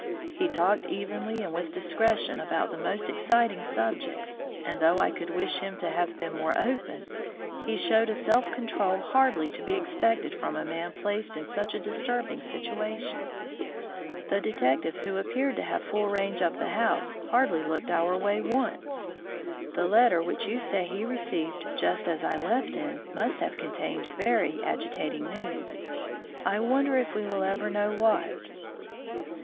He talked evenly and with discretion about the most exciting subjects; and, though I could wish him to have been more open, he showed a self control hardly to be expected from a man placed in such a disturbing situation. The detective, who appeared to have full range of the house, hardly looked our way once. The letter which you say he received just as I left him must have contained very agitating news. I wonder if we will ever know what."